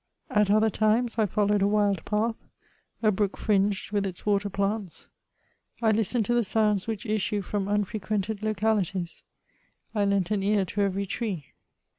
At other times, I followed a wild path, a brook firinged with its water plants. I listened to the sounds which issue from unfrequented locahties ; I lent an ear to ev^ry tree.